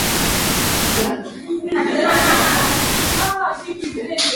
Karagwe Biharamulo Rusubi na Maruku Bukara